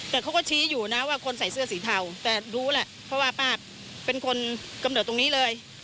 แต่เขาก็ชี้อยู่นะว่าคนใส่เสื้อสีเทาแต่รู้แหละเพราะว่าป้าเป็นคนกำเนิดตรงนี้เลย